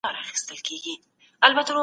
ملکيت د فردي ازادۍ نښه ده.